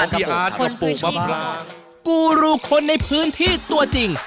กูรูคนในพื้นที่ตัวจริง